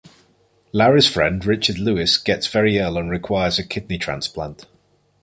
Larry's friend Richard Lewis gets very ill and requires a kidney transplant.